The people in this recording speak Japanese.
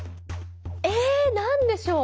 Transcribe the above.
え何でしょう？